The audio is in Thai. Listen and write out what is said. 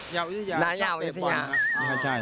ยาวนี่ใช่ยาวน้ายาวนี่ใช่ยาว